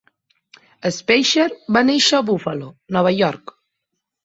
Speicher va néixer a Buffalo, Nova York.